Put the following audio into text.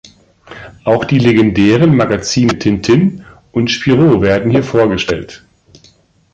Auch die legendären Magazine Tintin und Spirou werden hier vorgestellt.